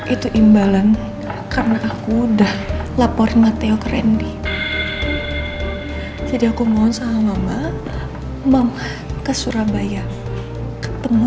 itu imbalan karena aku udah laporin matteo keren nih jadi aku mohon sama mama mama ke surabaya ketemu